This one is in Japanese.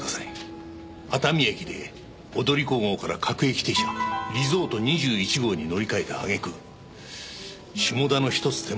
熱海駅で踊り子号から各駅停車リゾート２１号に乗り換えたあげく下田の１つ手前